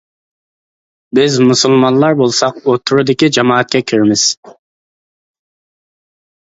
بىز مۇسۇلمانلار بولساق ئوتتۇرىدىكى جامائەتكە كىرىمىز.